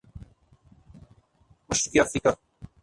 مشرقی افریقہ